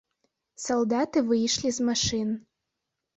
Салдаты выйшлі з машын.